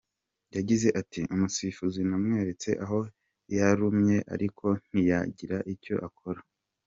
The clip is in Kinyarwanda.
Yagize ati “ Umusifuzi namweretse aho yarumye ariko ntiyagira icyo akora.